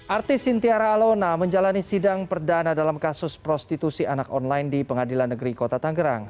artis sintiara alona menjalani sidang perdana dalam kasus prostitusi anak online di pengadilan negeri kota tanggerang